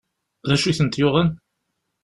D acu i tent-yuɣen?